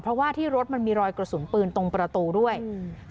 เพราะว่าที่รถมันมีรอยกระสุนปืนตรงประตูด้วยอืม